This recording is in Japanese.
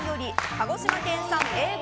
鹿児島県産Ａ５